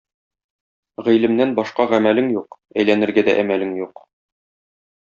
Гыйлемнән башка гамәлең юк, әйләнергә дә әмәлең юк.